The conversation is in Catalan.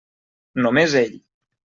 Només ell.